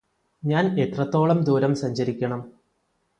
ഞാന് എത്രത്തോളം ദൂരം സഞ്ചരിക്കണം